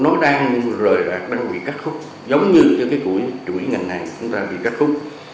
nó đang rời bạc đang bị cắt khúc giống như cho cái chuỗi ngành hàng cũng đã bị cắt khúc